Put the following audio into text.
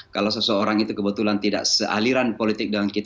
kalau seseorang itu kebetulan tidak sealiran politik dengan kita